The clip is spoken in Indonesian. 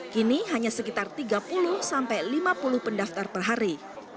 kini hanya sekitar tiga puluh sampai lima puluh pendaftar per hari